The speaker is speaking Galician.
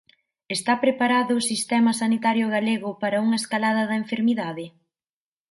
Está preparado o sistema sanitario galego para unha escalada da enfermidade?